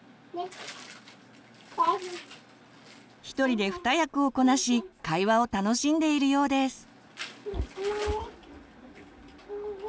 一人で二役をこなし会話を楽しんでいるようです。